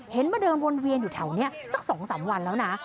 มาเดินวนเวียนอยู่แถวนี้สัก๒๓วันแล้วนะ